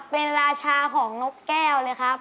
เป็นราชาของนกแก้วเลยครับ